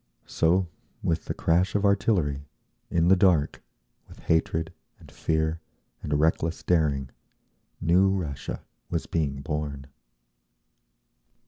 So, with the crash of artillery, in the dark, with hatred, and fear, and reckless daring, new Russia was being born.